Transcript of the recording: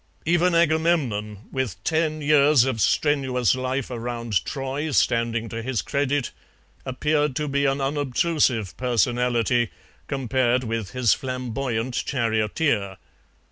Even Agamemnon, with ten years of strenuous life around Troy standing to his credit, appeared to be an unobtrusive personality compared with his flamboyant charioteer.